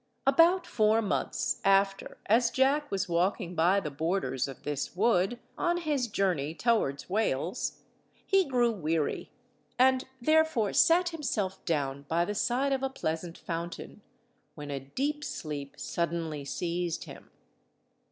About four months after as Jack was walking by the borders of this wood, on his journey towards Wales, he grew weary, and therefore sat himself down by the side of a pleasant fountain, when a deep sleep suddenly seized him.